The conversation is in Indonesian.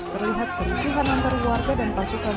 terlihat kericuhan antar warga dan pasukan